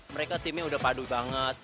mereka timnya udah padu banget